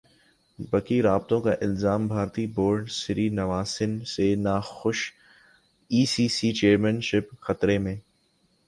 بکی سے رابطوں کا الزام بھارتی بورڈ سری نواسن سے ناخوش ئی سی سی چیئرمین کا عہدہ خطرے میں